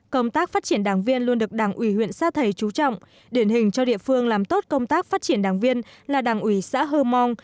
công tác phát triển đảng viên luôn được đảng ủy huyện sa thầy chú trọng điển hình cho địa phương làm tốt công tác phát triển đảng viên là đảng ủy xã hơ mong